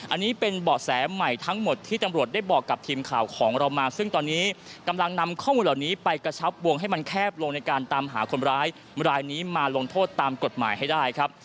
อันนี้เป็นเบาะแสใหม่ทั้งหมดที่ตำรวจได้บอกกับทีมข่าวของเรามาซึ่งตอนนี้กำลังนำข้อมูลเหล่านี้ไปกระชับวงให้มันแคบลงในการตามหาคนร้ายรายนี้มาลงโทษตามกฎหมายให้ได้ครับ